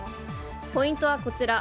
ポイントはこちら。